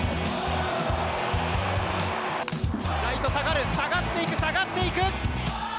ライト下がる、下がっていく下がっていく。